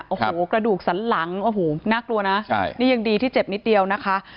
โอ้โหกระดูกสันหลังโอ้โหน่ากลัวนะใช่นี่ยังดีที่เจ็บนิดเดียวนะคะ